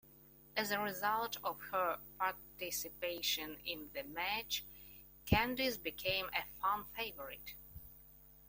As a result of her participation in the match, Candice became a fan favorite.